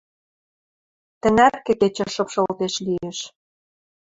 тӹнӓркӹ кечӹ шыпшылтеш лиэш.